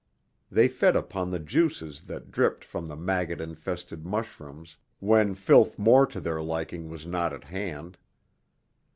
They fed upon the juices that dripped from the maggot infested mushrooms, when filth more to their liking was not at hand.